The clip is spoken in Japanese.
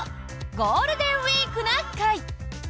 「ゴールデンウィークな会」！